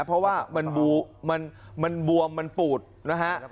เพราะว่ามันบวมมันปูดนะฮะ